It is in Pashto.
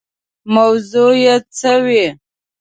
موضوع یې څه وي.